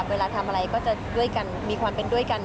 เวลาทำอะไรก็จะมีความเป็นด้วยกัน